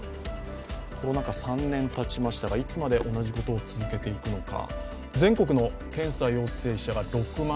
コロナ禍、３年たちましたが、いつまで同じことを続けていくのか。